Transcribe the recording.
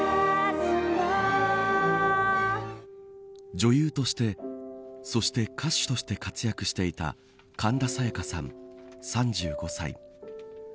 女優としてそして歌手として活躍していた神田沙也加さん、３５歳。